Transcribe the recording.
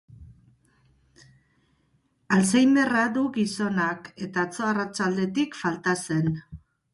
Alzheimerra du gizonak, eta atzo arratsaldetik falta zen.